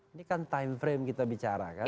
ini kan time frame kita bicara kan